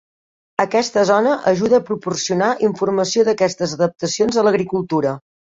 Aquesta zona ajuda a proporcionar informació d'aquestes adaptacions de l'agricultura.